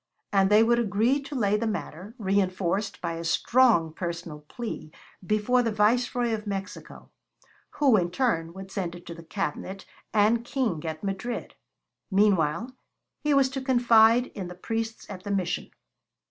and they would agree to lay the matter, reinforced by a strong personal plea, before the Viceroy of Mexico; who in turn would send it to the Cabinet and King at Madrid. Meanwhile, he was to confide in the priests at the Mission.